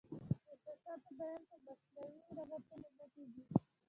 د احساساتو بیان په مصنوعي لغتونو نه کیږي.